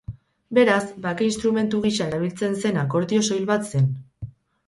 Beraz, bake-instrumentu gisa erabiltzen zen akordio soil bat zen.